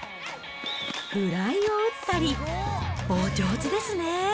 フライを打ったり、お上手ですね。